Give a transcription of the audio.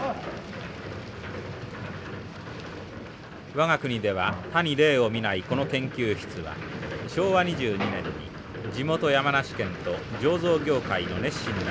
我が国では他に例を見ないこの研究室は昭和２２年に地元山梨県と醸造業界の熱心な支援によって創立されました。